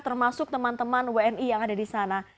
termasuk teman teman wni yang ada di sana